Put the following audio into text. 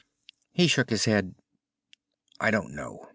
He shook his head. "I don't know.